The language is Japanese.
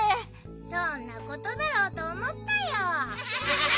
そんなことだろうとおもったよ。